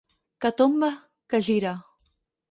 Que tomba, que gira.